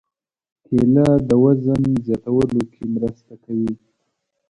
کېله د وزن زیاتولو کې مرسته کوي.